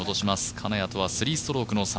金谷とは３ストローク差。